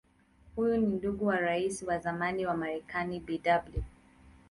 Huyu ni ndugu wa Rais wa zamani wa Marekani Bw.